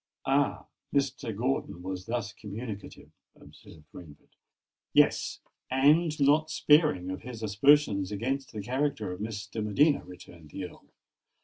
"Ah! Mr. Gordon was thus communicative?" observed Rainford. "Yes—and not sparing of his aspersions against the character of Miss de Medina," returned the Earl.